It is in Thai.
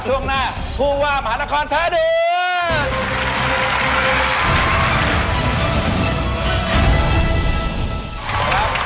ช่วงหน้าคู่ว่ามหานครท้าด่วน